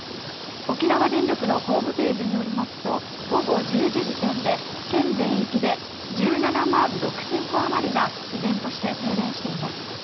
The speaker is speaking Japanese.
沖縄電力のホームページによりますと午後１０時時点で県全域で１７万６０００戸余りが依然として停電しています。